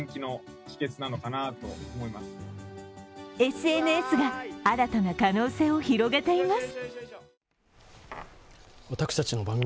ＳＮＳが新たな可能性を広げています。